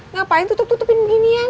ngapain tutup tutupin beginian